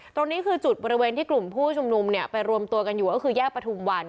ตรงนี้คือจุดบริเวณที่กลุ่มผู้ชุมนุมเนี่ยไปรวมตัวกันอยู่ก็คือแยกประทุมวัน